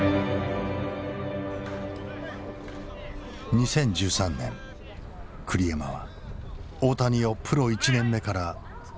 ２０１３年栗山は大谷をプロ１年目から二刀流で起用した。